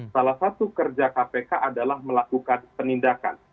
salah satu kerja kpk adalah melakukan penindakan